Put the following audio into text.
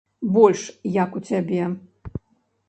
Больш як у цябе.